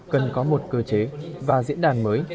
cần có một cơ chế và diễn đàn mới